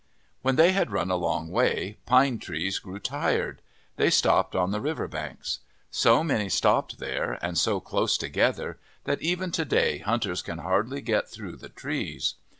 When they had run a long way, Pine Trees grew tired. They stopped on the river banks. So many stopped there, and so close together, that even to day hunters can hardly get through the trees.